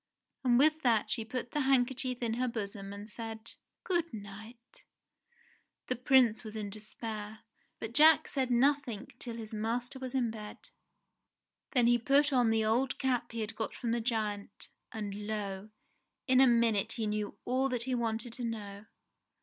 And with that she put the handkerchief in her bosom and said, "Good night !" The Prince was in despair, but Jack said nothing till JACK THE GIANT KILLER 91 his master was in bed. Then he put on the old cap he had got from the giant, and lo ! in a minute he knew ^11 that he wanted to know.